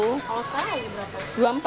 kalau sekarang lagi berapa